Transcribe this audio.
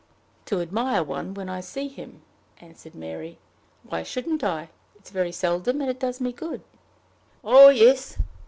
"To admire one when I see him," answered Mary. "Why shouldn't I? It is very seldom, and it does me good." "Oh, yes!"